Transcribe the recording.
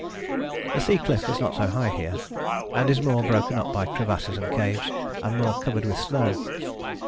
The sea cliff is not so high here, and is more broken up by crevasses and caves, and more covered with snow.